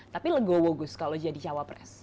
tapi legowo gus kalau jadi cawapres